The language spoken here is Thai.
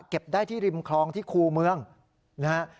เก็บได้ที่ริมคลองที่คูเมืองนะฮะ